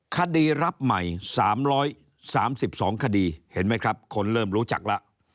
คดีรับใหม่สามร้อยสามสิบสองคดีเห็นไหมครับคนเริ่มรู้จักละ